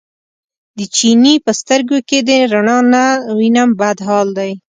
د چیني په سترګو کې دې رڼا نه وینم بد حال دی.